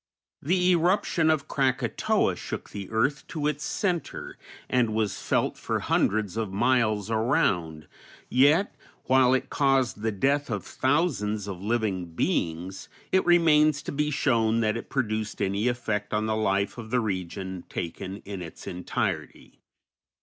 The eruption of Krakatoa shook the earth to its centre and was felt for hundreds of miles around, yet, while it caused the death of thousands of living beings, it remains to be shown that it produced any effect on the life of the region taken in its entirety.